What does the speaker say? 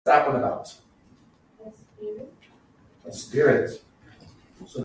The origins of this encoding go back to the Polybius square of Ancient Greece.